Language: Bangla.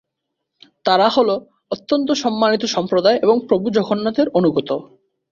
তারা হ'ল অত্যন্ত সম্মানিত সম্প্রদায় এবং প্রভু জগন্নাথের প্রতি অনুগত।